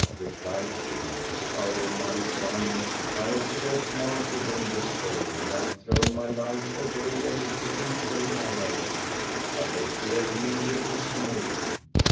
Replied she, O my son, I have sought martyrdom this day, and have thrown my life away amid the Infidel array, but they feared me with dismay.